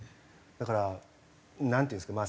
だからなんていうんですか。